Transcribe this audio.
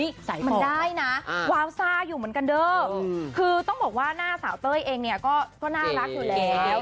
มันได้นะวาวซ่าอยู่เหมือนกันเด้อคือต้องบอกว่าหน้าสาวเต้ยเองเนี่ยก็น่ารักอยู่แล้ว